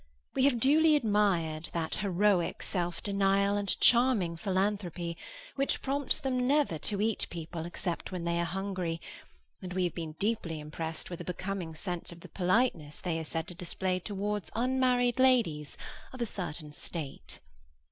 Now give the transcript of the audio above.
We have duly admired that heroic self denial and charming philanthropy which prompts them never to eat people except when they are hungry, and we have been deeply impressed with a becoming sense of the politeness they are said to display towards unmarried ladies of a certain state.